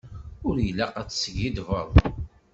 Ur ilaq ad teskiddbeḍ.